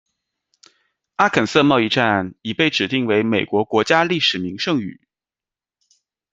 阿肯色贸易站已被指定为美国国家历史名胜与。